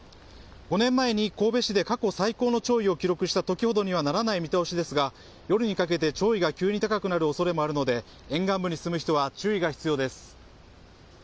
５年前に神戸市で過去最高の潮位を記録した時ほどにはならない見通しですが夜にかけて潮位が急に高くなる恐れもあるので沿岸部に住む人は注意が必要です。